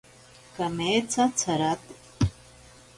Kametsa tsarato.